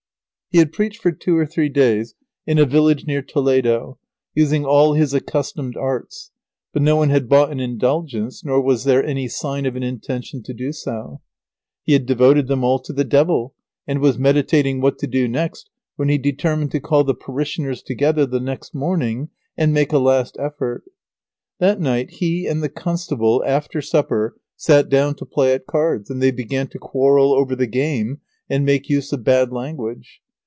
He had preached for two or three days in a village near Toledo, using all his accustomed arts, but no one had bought an Indulgence, nor was there any sign of an intention to do so. He had devoted them all to the Devil, and was meditating what to do next, when he determined to call the parishioners together the next morning and make a last effort. [Sidenote: Sham quarrel between the seller of Indulgences and the constable.] That night he and the constable, after supper, sat down to play at cards, and they began to quarrel over the game, and make use of bad language.